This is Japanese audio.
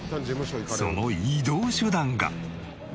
その移動手段が。